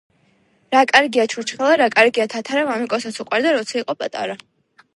რა კარგია ჩურჩხელა რა კარგია თათარა მამიკოსაც უყვარდა როცა იყო პატარა.